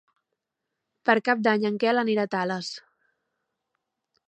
Per Cap d'Any en Quel anirà a Tales.